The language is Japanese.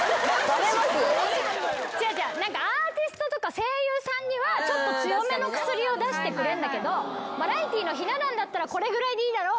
アーティストとか声優さんにはちょっと強めの薬を出してくれるんだけどバラエティーのひな壇だったらこれぐらいでいいだろみたいな。